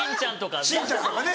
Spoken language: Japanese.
しんちゃんとかね。